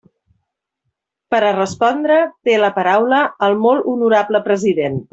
Per a respondre, té la paraula el molt honorable president.